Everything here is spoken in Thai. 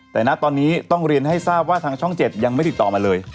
แต่ณตอนนี้ต้องเรียนให้ทราบว่าทางช่อง๗ยังไม่ติดต่อมาเลย